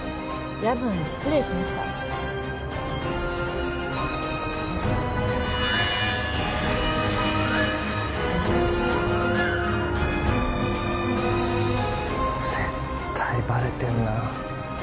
夜分失礼しました絶対バレてんな